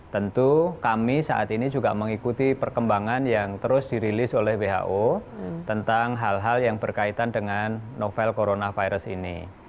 tentu kami saat ini juga mengikuti perkembangan yang terus dirilis oleh who tentang hal hal yang berkaitan dengan novel coronavirus ini